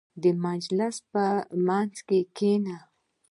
• د مجلس په منځ کې کښېنه.